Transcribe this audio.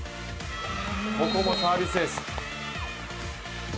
ここもサービスエース。